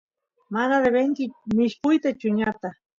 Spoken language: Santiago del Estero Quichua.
mana debenki mishpuyta chuñuta